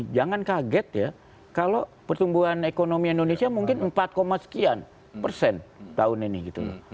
jangan kaget ya kalau pertumbuhan ekonomi indonesia mungkin empat sekian persen tahun ini gitu